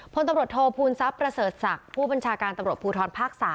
พตโทพูลซับประเสริฐศักดิ์ผู้บัญชาการตำรวจภูทรภาค๓